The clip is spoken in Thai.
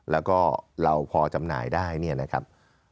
แล้วก็เราพอจำหน่ายได้เนี่ยนะครับ